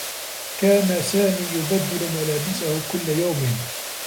كان سامي يبدّل ملابسه كلّ يوم.